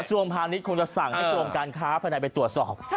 ส่วนผ่านนี้คงจะสั่งให้ตรงการค้าภาในไปตรวจสอบ